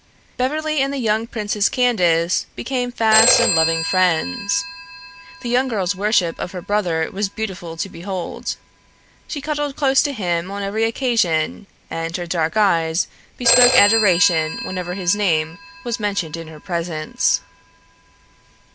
Beverly and the young Princess Candace became fast and loving friends. The young girl's worship of her brother was beautiful to behold. She huddled close to him on every occasion, and her dark eyes bespoke adoration whenever his name was mentioned in her presence.